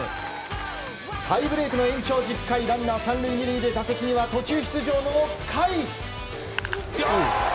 タイブレークの延長１０回ランナー３塁２塁で、打席には途中出場の甲斐。